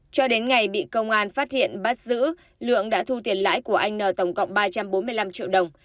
cho đến ngày bị công an phát hiện bắt giữ lượng đã thu tiền lãi của anh n tổng cộng ba trăm bốn mươi năm triệu đồng